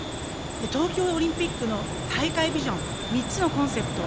東京オリンピックの大会ビジョン、３つのコンセプト。